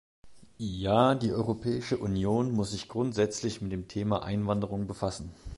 Ja, die Europäische Union muss sich grundsätzlich mit dem Thema Einwanderung befassen.